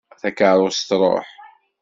Takerrust truḥ.